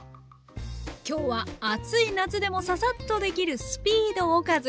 今日は暑い夏でもササッとできる「スピードおかず」。